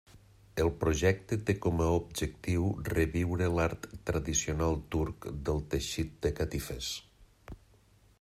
El projecte té com a objectiu reviure l'art tradicional turc del teixit de catifes.